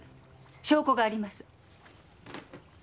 証拠があります。